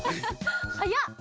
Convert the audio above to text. はやっ！